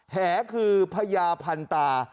แหคือพญาพันตา